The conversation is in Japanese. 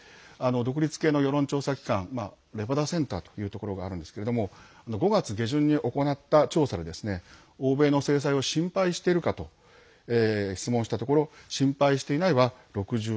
独立系の世論調査機関レバダセンターというところがあるんですけれども５月下旬に行った調査で欧米の制裁を心配しているかと質問したところ「心配していない」は６１％。